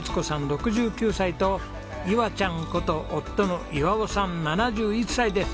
６９歳と「いわちゃん」こと夫の岩男さん７１歳です。